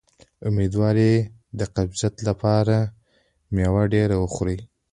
د امیدوارۍ د قبضیت لپاره میوه ډیره وخورئ